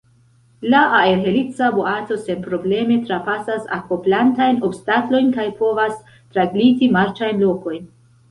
La aerhelica boato senprobleme trapasas akvoplantajn obstaklojn kaj povas tragliti marĉajn lokojn.